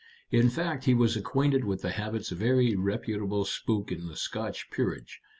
In fact, he was acquainted with the habits of every reputable spook in the Scotch peerage.